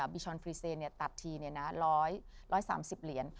บิชอนฟรีเซตัดทีเนี่ยนะร้อย๑๓๐เหรียญ